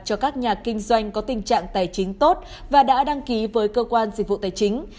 cho các nhà kinh doanh có tình trạng tài chính tốt và đã đăng ký với cơ quan dịch vụ tài chính